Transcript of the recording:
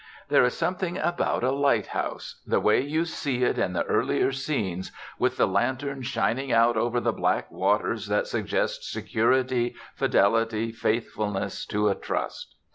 There is something about a lighthouse the way you see it in the earlier scenes with the lantern shining out over the black waters that suggests security, fidelity, faithfulness, to a trust.